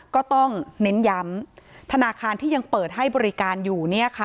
ก็ต้องเน้นย้ำธนาคารที่ยังเปิดให้บริการอยู่